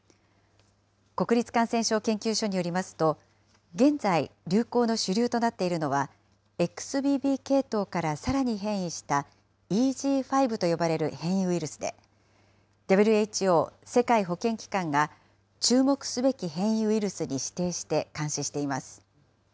国立感染症研究所によりますと、現在流行の主流となっているのは、ＸＢＢ系統からさらに変異した、ＥＧ．５と呼ばれる変異ウイルスで、ＷＨＯ・世界保健機関が、注目すべき変異ウイルスに指定して、監視しています。